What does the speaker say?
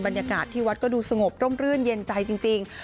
บรรยากาศที่วัดก็ดูสงบร่มรื่นเย็นใจจริง